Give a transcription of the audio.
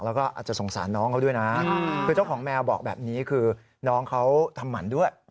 แล้วก็อาจจะสงสารน้องเขาด้วยนะคือเจ้าของแมวบอกแบบนี้คือน้องเขาทำหมันด้วย